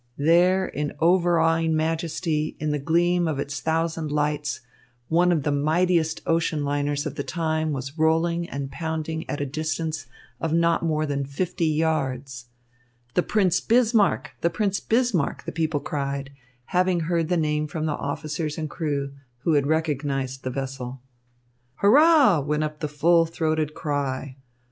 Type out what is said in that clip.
There, in overawing majesty, in the gleam of its thousand lights, one of the mightiest ocean liners of the time was rolling and pounding at a distance of not more than fifty yards. "The Prince Bismarck, the Prince Bismarck!" the people cried, having heard the name from the officers and crew, who had recognised the vessel. "Hurrah!" went up the full throated cry.